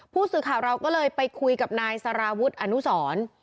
ผู้สื่อข่าวเราก็เลยไปคุยกับนายสารวุฒิอนุสร